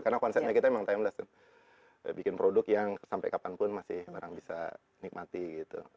karena konsepnya kita memang timeless bikin produk yang sampai kapanpun masih orang bisa nikmati gitu